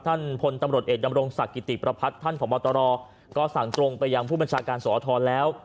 ท่านพลตำรวจเอกดำรงศักดิ์กิติประพัฒน์ท่านผอบตรก็สั่งตรงไปยังผู้บัญชาการสอทรแล้ว